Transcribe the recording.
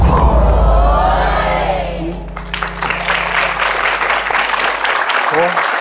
ขอบคุณครับ